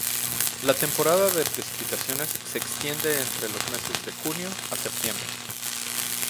La temporada de precipitaciones se extiende entre los meses de junio a septiembre.